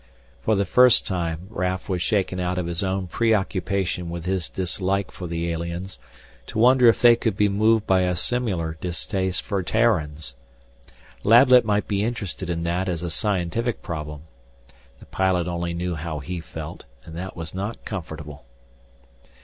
For the first time Raf was shaken out of his own preoccupation with his dislike for the aliens to wonder if they could be moved by a similar distaste for Terrans. Lablet might be interested in that as a scientific problem the pilot only knew how he felt and that was not comfortable.